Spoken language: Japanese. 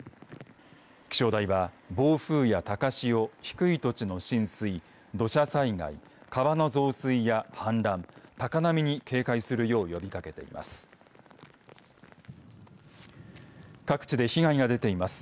気象台は暴風や高潮低い土地の浸水土砂災害、川の増水や氾濫高波に警戒するよう呼びかけています。